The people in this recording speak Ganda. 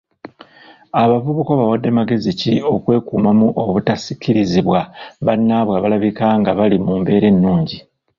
Abavubuka obawadde magezi ki okwekuuma obutasikirizibwa bannaabwe abalabika ng'abali mu mbeera ennungi?